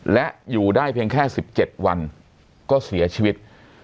และอยู่ได้เพียงแค่๑๗วันก็เสียชีวิต